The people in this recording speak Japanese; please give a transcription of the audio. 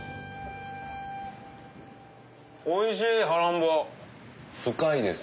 おいしいハランボ深いです。